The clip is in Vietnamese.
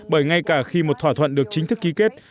bởi ngay cả khi một thỏa thuận được chính thức ký kết